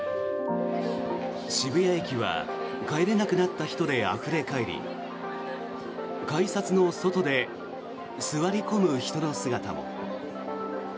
渋谷駅は帰れなくなった人であふれ返り改札の外で座り込む人の姿も。